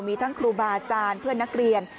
มีทั้งครูบาอาจารย์เพื่อนนักเรียน